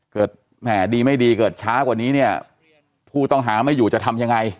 แหม่ดีไม่ดีเกิดช้ากว่านี้เนี่ยผู้ต้องหาไม่อยู่จะทำยังไง